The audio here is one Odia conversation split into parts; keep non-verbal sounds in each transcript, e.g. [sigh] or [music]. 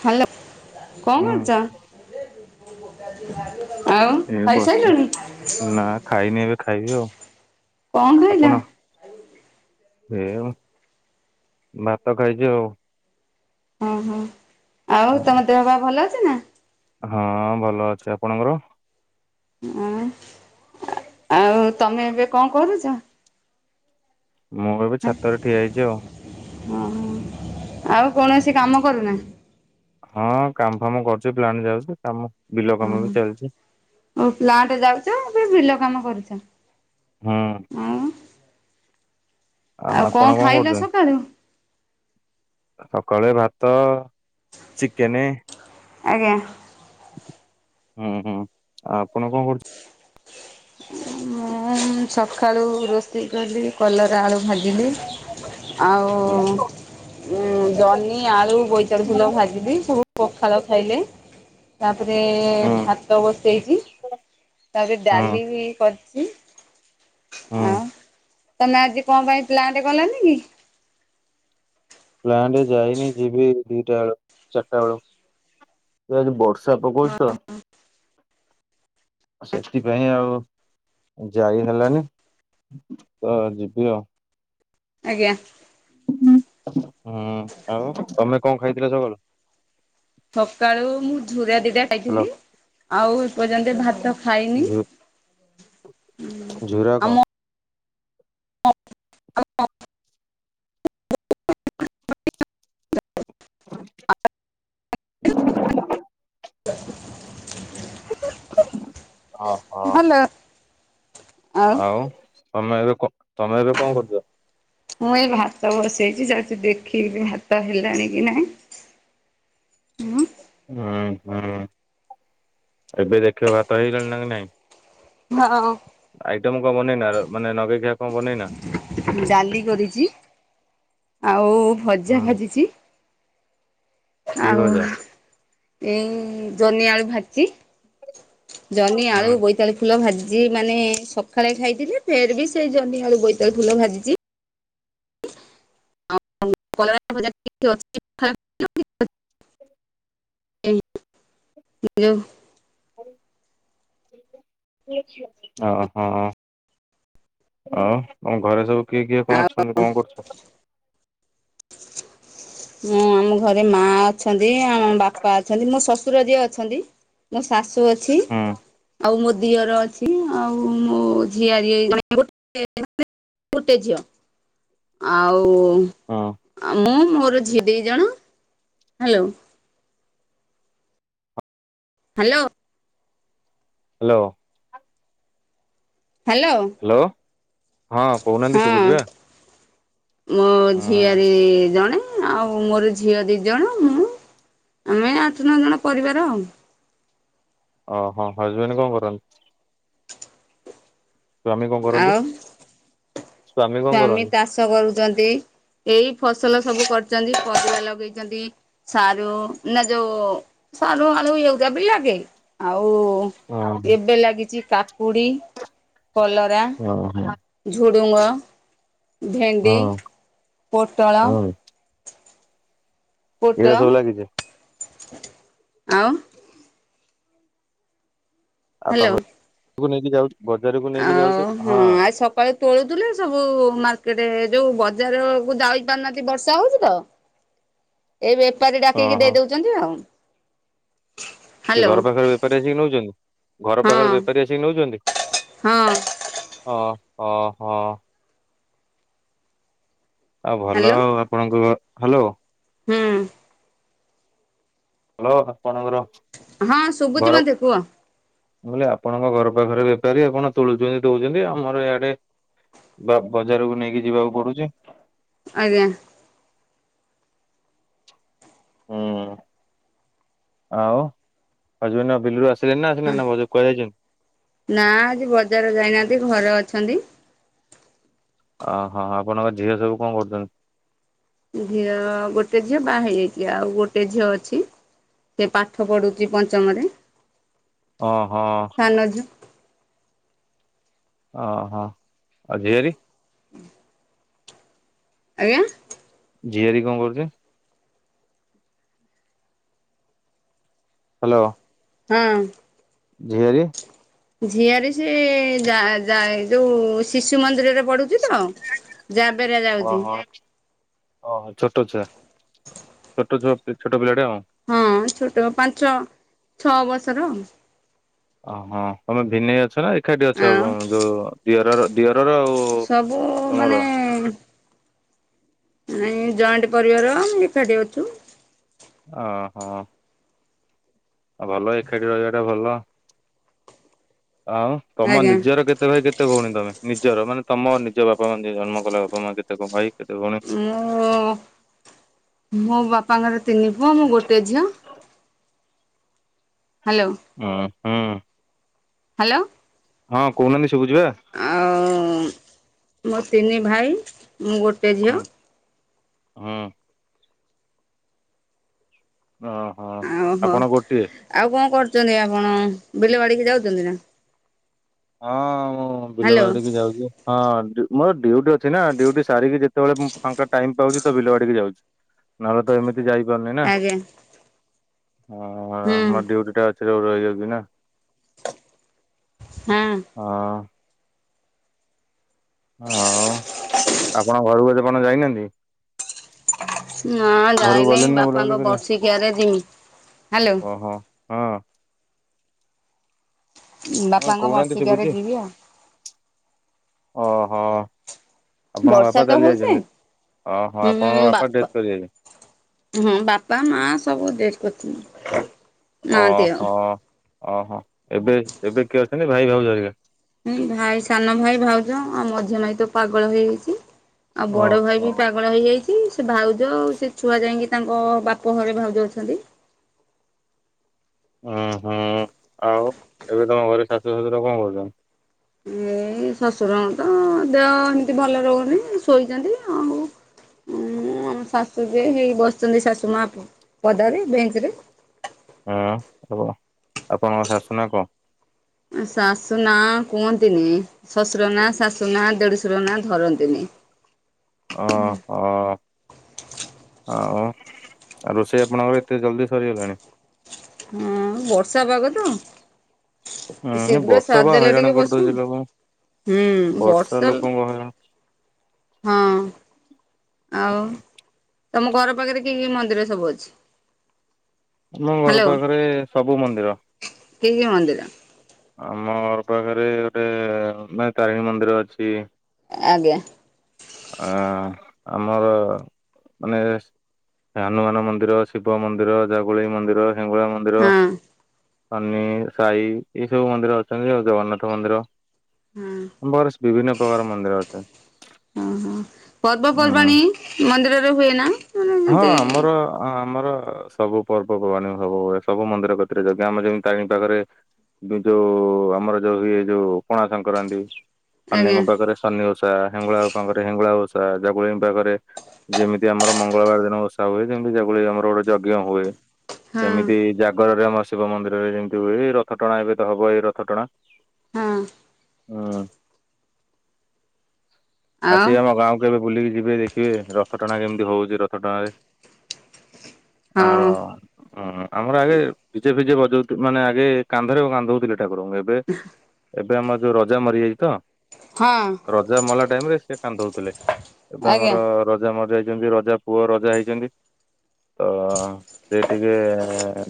ହ୍ୟାଲୋ କଣ ହୁଁ କରୁଛ? ଆଉ ଏ ବସିଛି ଖାଇସାଇଲଣି? ନା ଖାଇନି ଏବେ ଖାଇବି ଆଉ କଣ ଖାଇଲ? ଆପଣ ଏ ଭା-ଭାତ ଖାଇଛି ଆଉ। ଓହୋ ଆଉ ତମ ଦେହ ପା ଭଲ ଅଛି ନା? ହଁ ଭଲ ଅଛି ।ଆପଣଙ୍କର? ହଁ ଆଉ ତମେ ଏବେ କଣ କରୁଚ? ମୁଁ ଏବେ ଛାତରେ ଠିଆ ହେଇଚି ଆଉ। ଓହୋ ଆଉ କୌଣସି କାମ କରୁନା? ହଁ କାମ ଫାମ କରୁଚି ପ୍ଲାନ୍ଟ ଯାଉଚି କାମ। ବିଲ କାମ ବି ଓହୋ ଚାଲିଛି ଆଉ ପ୍ଲାଣ୍ଟ ଯାଉଚ ବି ବିଲ କାମ କରୁଚ। ହୁଁ। ଆଉ ଆପଣ କଣ ଖାଇଲ କରୁଛନ୍ତି ସକାଳୁ? ସକାଳେ ଭାତ, ଚିକେନେ। ଆଜ୍ଞା। ହୁଁ ହୁଁ ଆପଣ କଣ କରୁଚନ୍ତି? ମୁଁ ସକାଳୁ ରୋଷେଇ କଲି କଲରା, ଆଳୁ ଭାଜିଲି। ଆଉ ହୁଁ ଉଁ ଜହ୍ନି ଆଳୁ ବଇତାଳୁ ଫୁଲ ଭାଜିଲି ସବୁ ପଖାଳ ଖାଇଲେ। ତାପରେ ଭାତ ବସେଇଚି ତାପରେ ହୁଁ ଡାଲି ବି କରି କି? ହୁଁ। ତମେ ଆଜି କଣ ପାଇଁ ପ୍ଲାଣ୍ଟ ଗଲନି କି? ପ୍ଲାଣ୍ଟ ଯାଇନି ଯିବି ଏବେ ଦିଟା ବେଳୁକୁ ଚାରିଟା ବେଳକୁ, ଆଜି ବର୍ଷ ର୍ଷା ପକଉଚି ତ। ସେଥିପାଇଁ ଆଉ ଯାଇହେଲାନି ତ ଯିବି ଆଉ। ଆଜ୍ଞା। ହୁଁ ଆଉ ତମେ କଣ ଖାଇଥିଲ ସକାଳୁ? ସକାଳୁ ମୁଁ ଝୁରିଆ ଦିଟା ହାଲୋ ଖାଇଥିଲି। ଆଉ ଏପର୍ଯ୍ୟନ୍ତ ଭାତ ଖାଇନି। ଝୁ ଝୁରା କଣ? ହ [unintelligible] ଆଉ [inaudible] [inaudible] ଓ ହୋ। ହାଲୋ ଆଉ ତମେ ଏବେ କ ତମେ ଏବେ କଣ କରୁଚ? ମୁଁ ଏଇ ଭାତ ବସେଇଚି ଯାଉଚି ଦେଖିବି। ଭାତ ହେଲାଣି କି ନାଇଁ ହଁ। ହୁଁ ହୁଁ ଏବେ ଦେଖିବ ଭାତ ହେଇଗଲାଣି ନା କି ନାଇଁ? ହଁ। ଆଇଟମ କଣ ବନେଇନା ମାନେ ନଗେଇ ଖିଆ କଣ ବନେଇନା? ଡାଲି କରିଚି ଆଉ ଭଜା ହୁଁ ଭାଜିଚି। କି ଆଉ ଭଜା? ଏଇ ଜନି ଆଳୁ ଭାଜିଚି। ଜହ୍ନି ଆଳୁ ହୁଁ ବୋଇତାଳୁ ଫୁଲ ଭାଜି ଜି ମାନେ ସକାଳେ ଖାଇଥିଲେ ଫେର ବି ସେଇ ଜହ୍ନିଆଳୁ ବୋଇତାଳୁ ଫୁଲ ଭାଜିଚି। ଆଉ କଲରା ଭଜା ଟିକେ ଅଛି ଖ [unintelligible] ଏଇ ଯଉ [inaudible] ଅ ହଁ ଆଉ ତମ ଘରେ ସବୁ କିଏ କିଏ କଣ ଆଉ ଅଛନ୍ତି କଣ କରୁଛନ୍ତି? ମୁଁ ଆମ ଘରେ ମା ଅଛନ୍ତି ଆମ ବାପା ଅଛନ୍ତି ମୋ ଶଶୁର ଯିଏ ଅଛନ୍ତି। ମୋ ଶାଶୁ ଅଛି ହୁଁ ଆଉ ମ ଦିଅର ଅଛି ଆଉ ମୋ ଝିଆରି ଏଇ ମାନେ ଗୋଟେ ମାନେ [unintelligible] ଗୋଟେ ଝିଅ ଆଉ। ହୁଁ ଉ ମୁଁ ମୋର ଝି ଦି ଜଣ hello. Hello. Hello. Hello hello ହଁ କହୁନାହାନ୍ତି ହଁ ଶୁଭୁଚି ବା। ମୋ ହୁଁ ଝିଆରୀ ଜଣେ ଆଉ ମୋର ଝିଅ ଦି ଜଣ ମୁଁ ଆମେ ଆଠ ନଅ ଜଣ ପରିବାର ଆଉ। ଓହୋ ହଜବେଣ୍ଡ୍ କଁ କର ସ୍ଵାମୀ କଁ କରନ୍ତି? କଣ ସ୍ଵାମୀ କରନ୍ତି? ଚାଷ କରୁଚନ୍ତି। ଏଇ ଫସଲ ସବୁ କରିଚନ୍ତି ପରିବା ଲଗେଇଚନ୍ତି ସାରୁ ନାଁ ଯୋଉ ସାରୁ ଆଳୁ ଏଉରା ବି ଲାଗେ ଆଉ ଆଉ ଓହୋ ଏବେ ଲାଗିଚି କାକୁଡ଼ି କଲରା ହଁ ହଁ। ଝୁଡ଼ୁଙ୍ଗ, ଭେଣ୍ଡି, ହଁ ପୋଟଳ ପୋଟ ଏଇରା ସବୁ ଲାଗିଚି? ଆଉ ହାଲୋ। ପୁଅ ନେଇକି ଯାଉ ଆଉ ହଁ ଆଜି ସକାଳେ ତୋଳୁଥୁଲେ ସବୁ ମାର୍ କେଟେ ଯୋଉ ବଜାରକୁ ଯାଉ ପାରୁନାହାନ୍ତି ବର୍ଷା ହଉଚି ତ ଏଇ ବେପାରୀ ହଁ ଡାକିକି ହଁ ଦେଇ ଦୋଉଚନ୍ତି ଆଉ। କିଏ ହ୍ୟାଲୋ ଘର ପାଖରେ ବେପାରୀ ଆସିକି ନୋଉଚନ୍ତି? ଘର ହଁ ପାଖରେ ବେପାରୀ ଆସିକି ନୋଉଚନ୍ତି ହଁ ହ ଅହ। ଆଉ ଭଲ ହ୍ୟାଲୋ ଆଉ ଆପଣଙ୍କୁ ହାଲୋ। ହୁଁ। ଲୋ ହାପଣଙ୍କର ହଁ ଶୁଭୁଛି ଘର ମତେ କୁହ ମୁଁ କଲି ଆପଣଙ୍କ ଘର ପାଖରେ ବେପାରୀ ଆପଣ ତୋଳୁଥୁବେ ଦୋଉଚନ୍ତି ଆମର ୟାଡ଼େ ବା ବଜାରକୁ ନେଇକି ଯିବାକୁ ପଡ଼ୁଚି। ଆଜ୍ଞା। ହୁଁ ଆଉ ହେଜିନା ବିଲୁରୁ ଆସ୍ ହଁ ନାଁ ଆଜି ବଜାର ଯାଇନାହାନ୍ତି ଘରେ ଅ ଛନ୍ତି। ଅ ହ ଆପଣଙ୍କ ଝିଅ ସବୁ କଁ କରୁଚନ୍? ଝିଅ ଗୋଟେ ଝିଅ ବା ହେଇ ଯାଇଚି ଆଉ ଗୋଟେ ଝିଅ ଅଛି। ସେ ପାଠ ପଢୁଚି ପଞ୍ଚମରେ। ଅହ। ସାନ ଝିଅ ଅହ ଆ ଝିଆରୀ? ଆଜ୍ଞା? ଝିଆରୀ କଁ କରୁଚି? ହାଲୋ। ହଁ। ଝିଆରୀ? ଝିଆରୀ ସେ ଯା ଯା ଯୋଉ ଶିଶୁ ମନ୍ଦିରରେ ପଢ଼ୁଚି ତ ଜାବେରା ଯାଉଚି। ଅହ ଛୋଟ ଛୁଆ ଛୋଟ ଛୁଆ ପେ ଛୋଟ ପିଲା। ହଁ ଛୋଟ ପାଞ୍ଚ ଛଅ ବର୍ଷର। ଅହଁ ତମେ ଭିନେ ଅଛ ନାଁ ଏଖାଠି ଅଛ ଆଉ ଅଁ ଯୋଉ ଦିଅରର ଦିଅରର ଆଉ ସବୁ ମାନେ ତମର ନାଇଁ ଜଏଣ୍ଟ୍ ପରିବାର ଆମେ ଏଖାଠି ଅଛୁ। ଅହଁ। ଆ ଭଲ ଏକାଠି ରହିବାଟା ଭଲ। ଆଉ ତମ ଆଜ୍ଞା ନିଜର କେତେ ଭାଇ କେତେ ଭୋଉଣୀ ତମେ ନି ନିଜର ମାନେ ତମ ନିଜ ବାପା ମା ଜନ୍ମ କଲା ବାପା ମା କେତେ କ ଭାଇ କେତେ ଭଉଣୀ ମୁଁ ମୋ ବାପାଙ୍କର ତିନି ପୁଅ ମୁଁ ଗୋଟେ ଝିଅ ହ୍ୟାଲୋ ହ ହୁଁ। ହ୍ୟାଲୋ। ହଁ କହୁନାହାନ୍ତି ଶୁଭୁଚି ପା। ମୋର ତିନି ଭାଇ ମୁଁ ଗୋଟେ ଝିଅ। ହଁ। ହଁ। ଓହୋ ଆଉ କଣ କରୁଛନ୍ତି ଆପଣ ବିଲ ବାଡ଼ିକି ଯାଉଛନ୍ତି ନା ହଁ ମୁଁ ବିଲ ହ୍ୟାଲୋ ବାଡ଼ି କ ଯାଉଛି ହଁ ମୋର ଡ଼ିଉଟି ଅଛି ନା ଡ଼ିଉଟି ସାରିକି ଯେତେବେଳେ ଏବଂ ଫାଙ୍କା ଟାଇମ ପାଉଛି। ବିଲ ବାଡ଼ିକି ଯାଉଛି ନହଲେ ତ ଏମିତି ଯାଇପାରୁନି ନା । ଆଜ୍ଞା ହ ହୁଁ ଆମର ଡ଼ିଉଟି ଟା ଏଥିରେ ରହିଯାଉଛି ନା। ହଁ । ଆଉ ଆପଣ ଘରକୁ ଏତ ପର୍ଯନ୍ତ ଯାଇନାହାନ୍ତି। ନା ଘରକୁ ଯାଇନାହିଁ ଗଲେନି ନା ବୁଲାବୁଲି ବାପାଙ୍କ କରିବାକୁ ବର୍ଷିକିଆ ରେ ଜିମି। ଓହୋ ହଁ ହଁ ବାପାଙ୍କ କହୁନାହାନ୍ତି ବର୍ଷିକିଆରେ ଶୁଭୁଛି ଯିବି ଆଉ ଓହୋ ଆପଣଙ୍କ ବର୍ଷା ବାପା ତ ଚାଲି ହଉଛି ଯାଇଛନ୍ତି ଓହୋ ଆପଣଙ୍କ ହୁଁ ବା ବାପା ଡେଥ୍ କରିଯାଇଛନ୍ତି ହଁ ବାପା ମା ସବୁ ଡେର୍ଥ କରିଚ ଓହୋ ଓହୋ ଏବେ ଏବେ କିଏ ଅଛନ୍ତି ଭାଇ ଭାଉଜ ହରିକା। ଏଇ ଭାଇ ସାନ ଭାଇ ଭାଉଜ ଆଉ ମଝିଆ ମାଇଁ ତ ପାଗଳ ହେଇଯାଇଛି। ଆଉ ବଡ଼ ଭାଇ ବି ଓହୋ ପାଗଳ ହେଇଯାଇଛି । ସେ ଭାଉଜ ଆଉ ସେ ଛୁଆ ଯାଇକି ତାଙ୍କ ବାପ ଘରେ ଭାଉଜ ଅଛନ୍ତି। ହୁଁ ହୁଁ ଆଉ ଏବେ ତମ ଘରେ ଶାଶୁ ଶଶୁର କଣ କରୁଛନ୍ତି? ମୁଁ ଏଇ ଶଶୁରଙ୍କତ ଦେହ ଏମିତି ଭଲ ରହୁନି ଶୋଇଛନ୍ତି ଆଉ ମୁଁ ଆମ ଶାଶୁ ଯେ ହେଇ ବସିଛନ୍ତି ଶାଶୁ ମା ପଦାରେ ବେଞ୍ଚରେ । ହଁ ହଁ ଆପଣଙ୍କ ଶାଶୁ ନାଁ କଣ? ଶାଶୁ ନାଁ କୁହନ୍ତିନି ଶଶୁର ନାଁ ଶାଶୁ ନାଁ ଦେଢୁଶୁର ନାଁ ଧରନ୍ତିନି । ଓ ହୋ ଆଉ ଆଉ ରୋଷେଇ ଆପଣଙ୍କର ଏତେ ଜଲଦି ସରିଗଲାଣି? ହଁ ବର୍ଷା ପାଗ ତ ହୁଁ ଶୀଘ୍ର ବର୍ଷା ବା ସାରିଦେଲେ ହଇରାଣ ଟିକେ ବସିବୁ କରିଦଉଛି ଲୋକଙ୍କୁ । ହୁଁ ବର୍ଷା ଲୋକଙ୍କୁ ହଇରାଣ ହଁ ଆଉ ତମ ଘର ପାଖରେ କି କି ମନ୍ଦ ମନ୍ଦିର ସବୁ ଅଛି । ଆମ ଘର ପାଖରେ ସବୁ ମନ୍ଦିର । କି କି ମନ୍ଦିର? ଆମ ଘର ପାଖରେ ଗୋଟେ ମା ତାରିଣୀ ମନ୍ଦିର ଅଛି । ଆଜ୍ଞା । ଆଁ ଆମର ମାନେ ହନୁମାନ ମନ୍ଦିର ଶିବ ମନ୍ଦିର ଜାଗୁଲେଇ ମନ୍ଦିର ହିଙ୍ଗୁଳା ମନ୍ଦିର ହଁ। ସନି ସାଇ ଏଇ ସବୁ ମନ୍ଦିର ଅଛନ୍ତି ଆଉ ଜଗନ୍ନାଥ ମନ୍ଦିର । [unintelligible] ବିଭିନ୍ନ ପ୍ରକାର ମନ୍ଦିର ଅଛନ୍ତି। ପର୍ବପର୍ବାଣି ମନ୍ଦିରରେ ହୁଏ ନା? ମାନେ ହଁ ଏମିତି ଆମର ଆମର ସବୁ ପର୍ବପର୍ବାଣି ହବ ସବୁ ମନ୍ଦିର କତିରେ ଯଜ୍ଞ ଆମେ ଯେମିତି ତାରିଣୀ ପାଖରେ ଯୋଉଁ ଆମର ଯୋଉଁ ହୁଏ ଯୋଉଁ ପଣା ସଂକ୍ରାନ୍ତି ଆଜ୍ଞା ସନିଙ୍କ ପାଖରେ ସନି ଓଷା ହିଙ୍ଗୁଳାଙ୍କ ପାଖରେ ହିଙ୍ଗୁଳା ଓଷା । ଜଗୁଲେଇ ପାଖରେ ଯେମିତି ଆମର ମଙ୍ଗଳବାର ଦିନ ଓଷା ହୁଏ ଯେମତି ଜାଗୁଲେଇ ଆମର ଗୋଟେ ଯଜ୍ଞ ହୁଏ ହଁ ସେମିତି ଯାଗ୍ ରରେ ଆମ ଶିବ ମନ୍ଦିରରେ ଯେମିତି ହୁଏ ଏଇ ରଥ ଟଣା ଏବେ ତ ହବ ଏଇ ରଥ ଟଣା ହଁ ଅଁ। ଆଉ ଆସିବେ ଆମ ଗାଁକୁ କେବେ ବୁଲିକି ଯିବେ ଦେଖିବେ ରଥ ଟଣା କେମିତି ହୋଉ ଚି ରଥ ଟଣାରେ ଆମର ହଉ ଅଁ-ଆମର ଆଗେ ଫିଜେ ଫିଜେ ବଜୋଉଥୁ-ମାନେ ଆଗେ କାନ୍ଧରେ କାନ୍ଧୋଉଥୁଲେ ଠାକୁର। ଏବେ ଏବେ ଆମର ଯୋଉ ରଜା ମରିଯାଇଚି ତ। ହଁ ରଜା ମଲା ଟାଇମରେ ସେ କାନ୍ଧୋଉଥୁଲେ ଏବେ ଆମର ଆଜ୍ଞା ରଜା ମରିଯାଇ ସେମିତି ରଜା ପୁଅ ରଜା ହେଇଚନ୍ତି। ତ ସେ ଟିକେ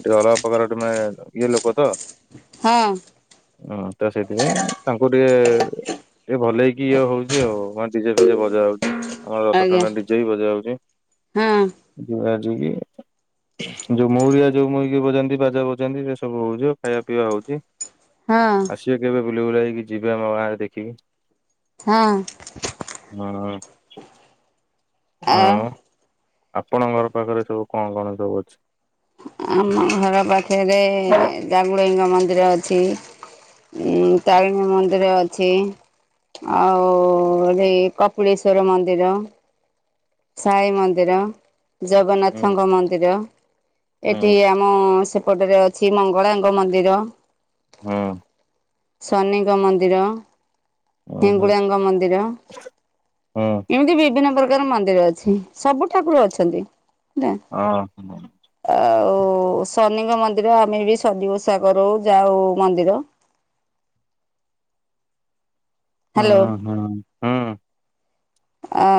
ଟିକେ ଅଲଗା ପ୍ରକାର ଟମେ ଇଏ ଲୋକ ତ। ହଁ। ହଁ ତ ସେଇଥିପାଇଁ ତାଙ୍କୁ ଟିକେ ଏ ଭଲେଇକି ଇଏ ହୋଉଚି ଆଉ କଣ ଡିଜେ ଫିଜେ ବଜାହୋଉଚି। ଆମର ରଥ ଆଜ୍ଞା ଟାଣା ଡିଜେ ବି ବଜାହୋଉଚି ହଁ ଯିବା ଆଜିିକି ଯୋଉ ମୋଉରିଆ ଯୋଉ ମୋଇକି ବଜନ୍ତି ବାଜା ବଜାନ୍ତି ସେ ସବୁ ହୋଉଚି ଖାଇବା ପିଇବା ହୋଉଚି। ହଁ ଆସିବେ କେବେ ବୁଲିବୁଲା ହେଇକି ଯିବେ ଆମ ଗାଁରେ ଦେଖିକି। ହଁ। ଆଉ? ଆପଣଙ୍କ ଘର ପାଖରେ ସବୁ କଣ କଣ ସବୁ ଅଛି? ଆମ ଘର ପାଖରେ ଜାଗୁଳେଇଙ୍କ ମନ୍ଦିର ଅଛି। ଉଁ ତାରିଣୀ ମନ୍ଦିର ଅଛି। ଆଉ ଏବେ କପିଳେଶ୍ଵର ମନ୍ଦିର ସାଇ ମନ୍ଦିର ହୁଁ ଜଗନ୍ନାଥଙ୍କ ମନ୍ଦିର ଏଠି ହୁଁ ଆମ ସେ ଏପଟରେ ଅଛି ମଙ୍ଗଳାଙ୍କ ମନ୍ଦିର। ହଁ। ଶନିଙ୍କ ମନ୍ଦିର ହଁ ହେଙ୍ଗୁଳାଙ୍କ ମନ୍ଦିର ହଁ ଏମିତି ବିଭିନ୍ନ ପ୍ରକାର ମନ୍ ନ୍ଦିର ଅଛି ସବୁ ଠାକୁର ଅଛନ୍ତି। ଅହ। ଓ ଶନିଙ୍କ ମନ୍ଦିର ଆମେ ବି ଶନି ଓଷା କରୋଉ ଯାଉ ମନ୍ଦିର। ହଁ ହ୍ୟାଲୋ ହଁ ହୁଁ। ଆ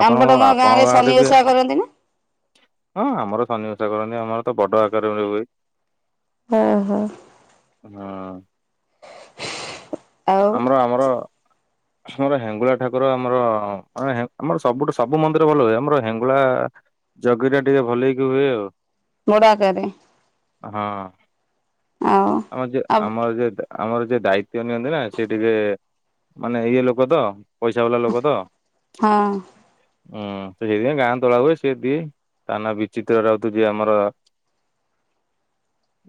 ଆପଣଙ୍କ ଆମ୍ବଡଙ୍ଗା ଆପଣଙ୍କ ଗାଁରେ ଶନି ବି ଓଷା କରନ୍ତି ନା? ହଁ ଆମର ସନିଓଷା କରନ୍ତି ଆମର ତ ବଡ ଆକାଡମୀରେ ହୁଏ। ଓହୋ। ହଁ। ଆମର ଆମର ଆମର ହେଙ୍ଗୁଳା ଠାକୁର ଆମର ଆମର ହେ-ଆମର ସବୁଠୁ ସବୁ ମନ୍ଦିର ଭଲ ହୁଏ ଆମର ହେଙ୍ଗୁଳା ଜଜ୍ଞଟା ଟିକେ ଭଲକି ହୁଏ ଆଉ। ବଡ ଆକାରରେ ଆଉ ଆମର ଯେ ଆଉ ଆମର ଯେତେ ଆମର ଯିଏ ଦାୟିତ୍ୱ ନିଅନ୍ତିନା ସିଏ ଟିକେ ମାନେ ଇଏ ଲୋକ ତ ପଇସା ବାଲା ଲୋକ ତ। ହଁ ହୁଁ ସେଇଥିପାଇଁ ଗାଁ ଦୋଳ ହୁଏ ସିଏ ଦିଏ ତା ନାଁ ବିଚିତ୍ର ରାଉତୁ ଯିଏ ଆମର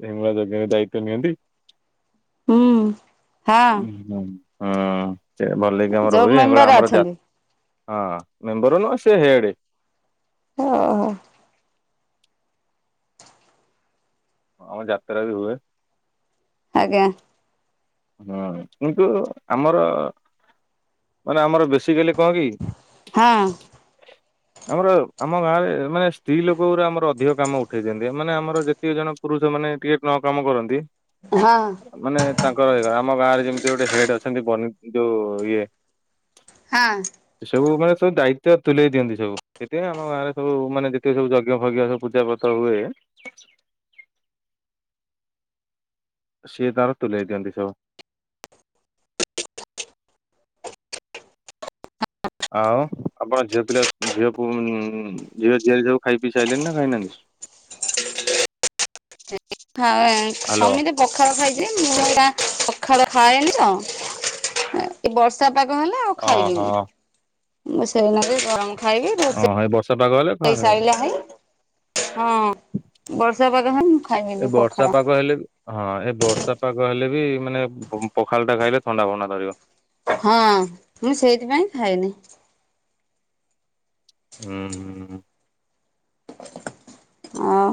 ଏଇ ମୁଁ ଆଉ ଜଜ୍ଞରେ ଦାୟି ସେ ନିଅନ୍ତି ହୁଁ ହଁ ଅଁହଁ ହଁ। ସେ ଭଲକି ଆମର ଯୋଉ ହୁଏ ହେଙ୍ଗୁଳା ମେମ୍ବର ଆମର ଅଛନ୍ତି। ଯା-ହଁ ମେମ୍ବର ନୁହଁ ସେ ହେଡେ। ଓହୋ। ହଁ ଆମ ଯାତ୍ରା ବି ହୁଏ। ଆଜ୍ଞା। ହୁଁ କିନ୍ତୁ ଆମର ମାନେ ଆମର ବେଶୀକାଲି କଣ କି ହଁ। ଆମର ଆମ ଗାଁରେ ମାନେ ସ୍ତ୍ରୀ ଲୋକରେ ଆମର ଅଧିକ କାମ ଉଠେଇ ଦିଅନ୍ତି ମାନେ ଆମର ଯେତିକି ଜଣ ପୁରୁ ଷ ମାନେ ଟିକେ କାମ କରନ୍ତି ହଁ। ମାନେ ତା ଙ୍କ ଆମ ଗାଁରେ ଯେମିତି ଗୋଟେ ହେଡ୍ ଅଛନ୍ତି ବନି ଯୋଉ ଇଏ। ହଁ। ଏ ସବୁ ମାନେ ସବୁ ଦାୟି ତ୍ବ ତୁଲେଇ ଦିଅନ୍ତି ସବୁ ସେଥିପାଇଁ ଆମ ଗାଁରେ ସବୁ ମାନେ ଯେତକି ସବୁ ଯଜ୍ଞ ଫଜ୍ଞ ସବୁ ପୂଜା ପତର ହୁଏ। ସିଏ ତାର ତୁଲେଇ ଦଅନ୍ତି ସବୁ। ଆଉ ଆପଣ ଝିଅ ପିଲା ଝିଅ ପୁଅ ଝିଅ ଉଁ ଝିଆରି ସବୁ ଖାଇ ପି ସାଇଲେେଣି ନା ଖାଇନାହାନ୍ତି। ହଁ ହ୍ୟାଲୋ ସମିତେ ପଖାଳ ଖାଇଚି ମୁଁ ଏକା ପଖାଳ ଖାଏନି ତ ଏ ବର୍ଷା ପାଗ ହେଲେ ଆଉ ଓହୋ ଖାଇବନି। ମୁଁ ସେଇ ନାକେ ଗରମ ଖାଇବି ରୋଷେ ହଁ ଏ ବର୍ଷା ପାଗ ହେଲେ ଇ ସାଇଲା ହେଇ ହଁ ବର୍ଷା ପାାଗ ହେ ଏ ବର୍ଷା ପାଗ ହେଲେ ବି ହଁ ଏ ବର୍ଷା ପାଗ ହେଲେ ବି ମାନେ ପ-ପଖାଳ ଟା ଖାଇଲେ ଥଣ୍ଡା ଫଣ୍ଡା ଧରିବ। ହଁ ମୁଁ ସେଇଥିପାଇଁ ଖାଏନି। ହୁଁ ହୁଁ ଉଁ। ଅଂ।